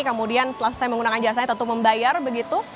kemudian setelah selesai menggunakan jasanya tentu membayar begitu